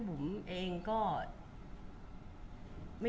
คุณผู้ถามเป็นความขอบคุณค่ะ